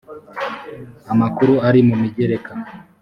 amakuru ari mu migereka